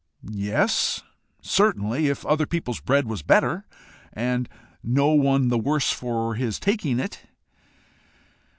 Yes, certainly if other people's bread was better, and no one the worse for his taking it.